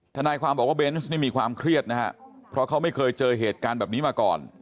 ทนายความบอกว่าเบนส์นี่มีความเครียดนะฮะเพราะเขาไม่เคยเจอเหตุการณ์แบบนี้มาก่อน